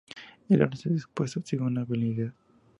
El orden está dispuesto según la habilidad.